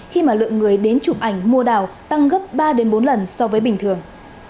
khi mà lượng người đến chụp ảnh mua đảo tăng gấp ba bốn lần so với bình thường